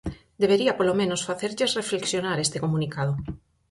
Debería polo menos facerlles reflexionar este comunicado.